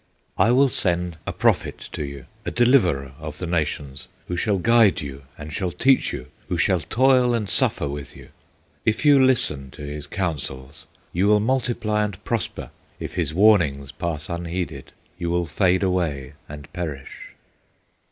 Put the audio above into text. "I will send a Prophet to you, A Deliverer of the nations, Who shall guide you and shall teach you, Who shall toil and suffer with you. If you listen to his counsels, You will multiply and prosper; If his warnings pass unheeded, You will fade away and perish!